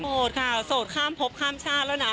โสดค่ะโสดข้ามพบข้ามชาติแล้วนะ